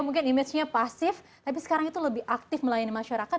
mungkin image nya pasif tapi sekarang itu lebih aktif melayani masyarakat